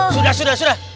sudah sudah sudah